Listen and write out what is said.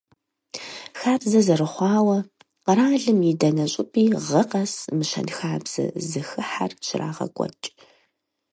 Хабзэ зэрыхъуауэ, къэралым и дэнэ щӀыпӀи гъэ къэс мы щэнхабзэ зэхыхьэр щрагъэкӀуэкӀ.